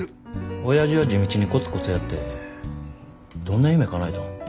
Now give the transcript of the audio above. おやじは地道にコツコツやってどんな夢かなえたん。